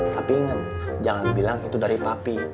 tapi ingat jangan bilang itu dari papi